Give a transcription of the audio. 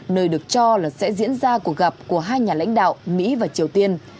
nơi được cho là sẽ diễn ra cuộc gặp của hai nhà lãnh đạo mỹ và triều tiên